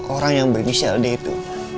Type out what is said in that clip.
orang yang berinisial d itu